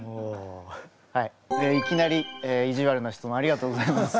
はいいきなり意地悪な質問ありがとうございます。